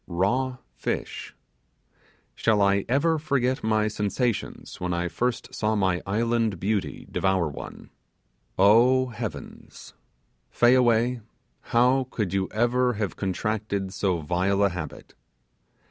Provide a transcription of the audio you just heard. Raw fish! Shall I ever forget my sensations when I first saw my island beauty devour one. Oh, heavens! Fayaway, how could you ever have contracted so vile a habit?